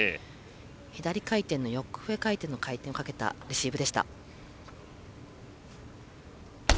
左回転の横上回転の回転をかけたレシーブでした。